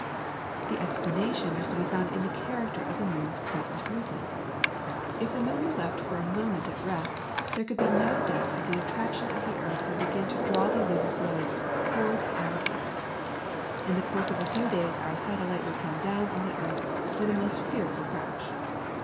The explanation was to be found in the character of the moon's present motion. If the moon were left for a moment at rest, there can be no doubt that the attraction of the earth would begin to draw the lunar globe in towards our globe. In the course of a few days our satellite would come down on the earth with a most fearful crash.